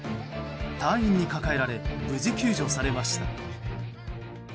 隊員に抱えられ無事、救助されました。